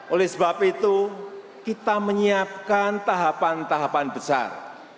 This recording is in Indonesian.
oleh sebab itu kita menyiapkan tahapan tahapan besar